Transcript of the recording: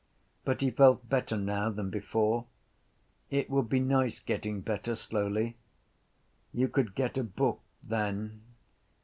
But he felt better now than before. It would be nice getting better slowly. You could get a book then.